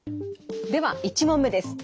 では１問目です。